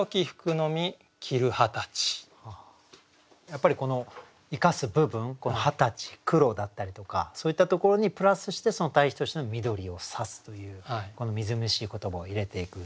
やっぱりこの生かす部分「二十歳」「黒」だったりとかそういったところにプラスして対比としての「緑をさす」というこのみずみずしい言葉を入れていく。